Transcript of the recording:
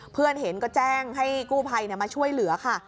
เพื่อนเห็นก็แจ้งให้กู้ภัยมาช่วยเหลือค่ะ